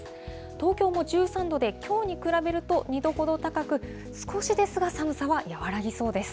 東京も１３度できょうに比べると２度ほど高く、少しですが、寒さは和らぎそうです。